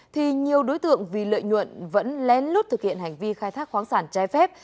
thì nhiều đối tượng vì lợi nhuận vẫn lén lút thực hiện hành vi khai thác khoáng sản trái phép